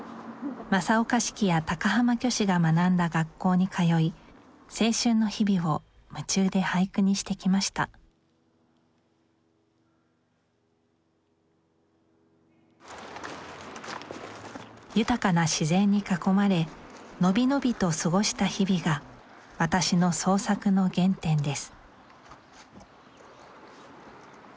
正岡子規や高浜虚子が学んだ学校に通い青春の日々を夢中で俳句にしてきました豊かな自然に囲まれ伸び伸びと過ごした日々が私の創作の原点です